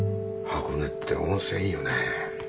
箱根って温泉いいよね